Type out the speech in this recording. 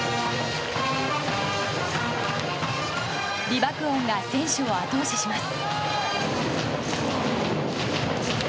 美爆音が選手を後押しします。